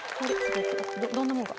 どんなもんか。